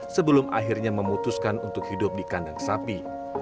sebelum akhirnya memutuskan untuk hidup di kandang sapi